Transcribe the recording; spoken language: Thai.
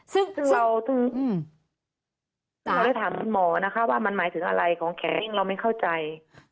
ซึ่งเราได้ถามคุณหมอนะคะว่ามันหมายถึงอะไรของแข็งเราไม่เข้าใจ